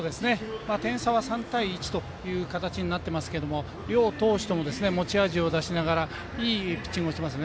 点差は３対１という形になってますけど両投手とも持ち味を出しながらいいピッチングをしています。